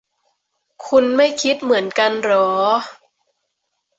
คุณไม่คิดเหมือนกันหรอ